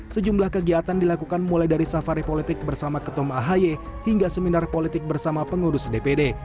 sejumlah kegiatan dilakukan mulai dari safari politik bersama ketum ahy hingga seminar politik bersama pengurus dpd